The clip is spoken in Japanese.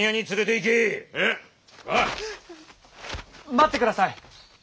待ってください！